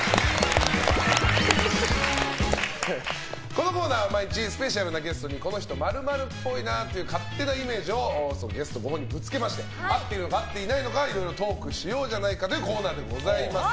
このコーナーは毎日スペシャルなゲストにこの人○○っぽいなという勝手なイメージをゲストご本人にぶつけて合っているのかいろいろトークしようじゃないかというコーナーでございます。